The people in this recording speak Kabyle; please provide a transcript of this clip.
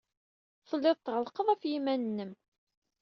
Telliḍ tɣellqeḍ ɣef yiman-nnem.